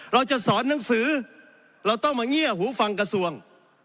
เราจะสอนหนังสือเราต้องมาเงียบหูฟังกระทรวง